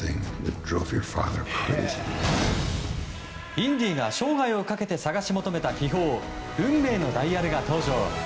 インディが生涯をかけて探し求めた秘宝運命のダイヤルが登場。